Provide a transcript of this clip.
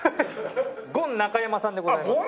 ゴン中山さんでございます。